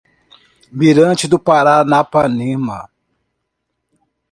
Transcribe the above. Mirante do Paranapanema